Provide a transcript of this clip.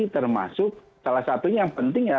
termasuk salah satunya yang penting ya